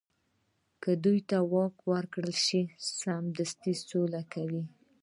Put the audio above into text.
دوی که واک ورکړل شي، سمدستي سوله کوي.